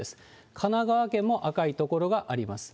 神奈川県も赤い所があります。